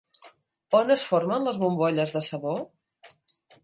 On es formen les bombolles de sabó?